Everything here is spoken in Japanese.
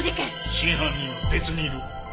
真犯人は別にいる。